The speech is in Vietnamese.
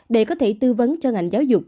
để có thể tư vấn cho ngành giáo dục